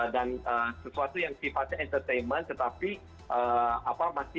dan sesuatu yang sifatnya entertainment tetapi apa